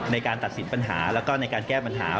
ในการตัดสินปัญหาแล้วก็ในการแก้ปัญหา